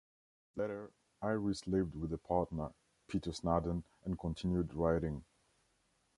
Later Iris lived with a partner, Peter Snadden, and continued writing.